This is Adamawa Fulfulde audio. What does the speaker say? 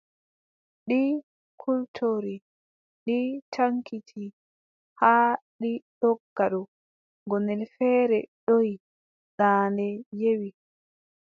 Ɗi kultori, ɗi caŋkiti, haa ɗi ndogga ɗo, gonnel feere doʼi, daande yewi.